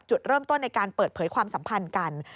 จุดเริ่มต้นในการเปิดเผยความสัมพันธ์กัน